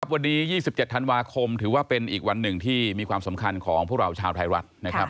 วันนี้๒๗ธันวาคมถือว่าเป็นอีกวันหนึ่งที่มีความสำคัญของพวกเราชาวไทยรัฐนะครับ